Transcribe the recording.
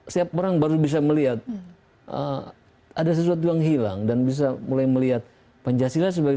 setiap orang baru bisa melihat ada sesuatu yang hilang dan bisa mulai melihat pancasila sebagai